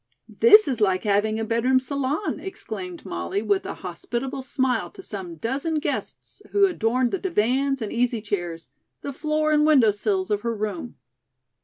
"This is like having a bedroom salon," exclaimed Molly with a hospitable smile to some dozen guests who adorned the divans and easy chairs, the floor and window sills of her room.